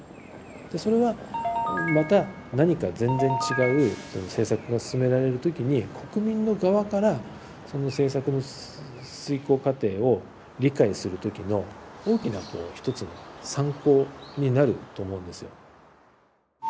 でそれはまた何か全然違う政策が進められる時に国民の側からその政策の遂行過程を理解する時の大きなこう一つの参考になると思うんですよ。